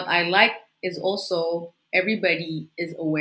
yang saya suka adalah